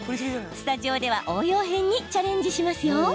スタジオでは応用編にチャレンジしますよ。